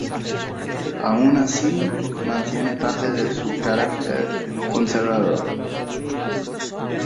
Aun así, mantiene parte de su carácter conservador.